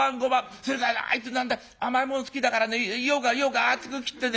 それからあいつ甘いもん好きだからねようかんようかん厚く切ってね。